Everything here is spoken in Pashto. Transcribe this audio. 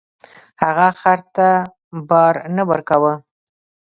هغه خر ته بار نه ورکاوه.